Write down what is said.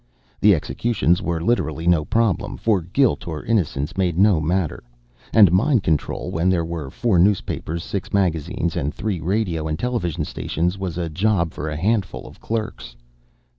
The executions were literally no problem, for guilt or innocence made no matter. And mind control when there were four newspapers, six magazines and three radio and television stations was a job for a handful of clerks.